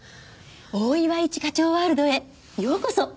大岩一課長ワールドへようこそ！はあ。